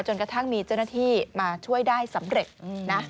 กระทั่งมีเจ้าหน้าที่มาช่วยได้สำเร็จนะ